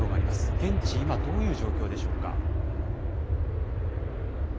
現地、今、どういう状況でしょうか。